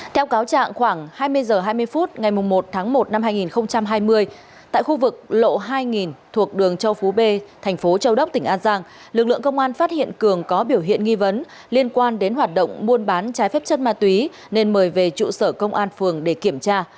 theo cáo trạng khoảng hai mươi h hai mươi phút ngày một tháng một năm hai nghìn hai mươi tại khu vực lộ hai thuộc đường châu phú b thành phố châu đốc tỉnh an giang lực lượng công an phát hiện cường có biểu hiện nghi vấn liên quan đến hoạt động buôn bán trái phép chất ma túy nên mời về trụ sở công an phường để kiểm tra